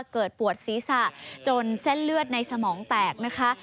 ปวดศีรษะจนเส้นเลือดในสมองแตกนะคะ